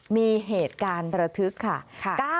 มีเหตุการณ์ระทึกค่ะ